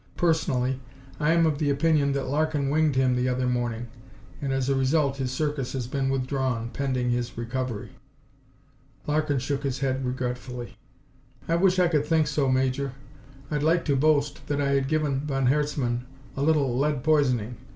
Personally, I am of the opinion that Larkin winged him the other morning, and as a result his Circus has been withdrawn, pending his recovery." Larkin shook his head regretfully. "I wish I could think so, Major. I'd like to boast that I had given von Herzmann a little lead poisoning.